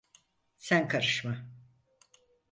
Sen karışma.